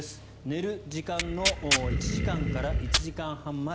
寝る時間の１時間から１時間半前